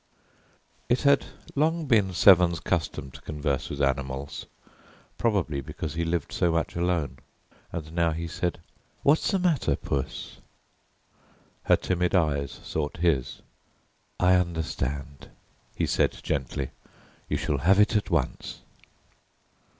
It had long been Severn's custom to converse with animals, probably because he lived so much alone; and now he said, "What's the matter, puss?" Her timid eyes sought his. "I understand," he said gently, "you shall have it at once."